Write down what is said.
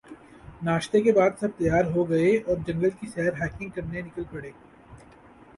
ناشتے کے بعد سب تیار ہو گئے اور جنگل کی سیر ہائیکنگ کرنے نکل پڑے